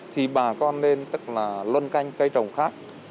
thì bà con nên tức là luân canh cây trồng khác